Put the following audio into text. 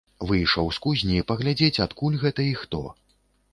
Выйшаў з кузні паглядзець, адкуль гэта і хто.